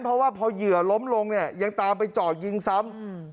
เพราะว่าพอเหยื่อล้มลงเนี่ยยังตามไปเจาะยิงซ้ำ